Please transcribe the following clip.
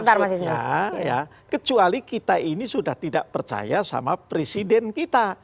maksudnya ya kecuali kita ini sudah tidak percaya sama presiden kita